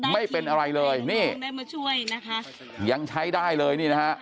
ไม่เป็นอะไรเลยนี่ยังใช้ได้เลยนี่นะครับ